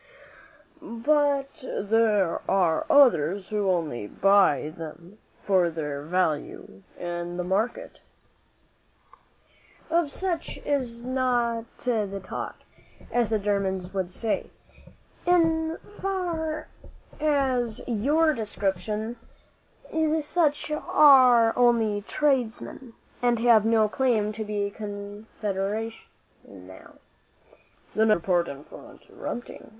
"But there are others who only buy them for their value in the market." "'Of such is not the talk,' as the Germans would say. In as far as your description applies, such are only tradesmen, and have no claim to be considered now." "Then I beg your pardon for interrupting.